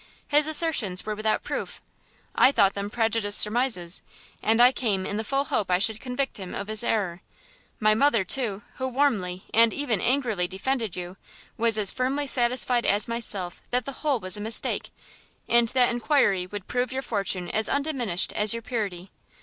his assertions were without proof; I thought them prejudiced surmises; and I came in the full hope I should convict him of his error. My mother, too, who warmly and even angrily defended you, was as firmly satisfied as myself that the whole was a mistake, and that enquiry would prove your fortune as undiminished as your purity.